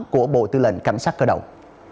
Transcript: của bộ tư lệnh cảnh sát cơ động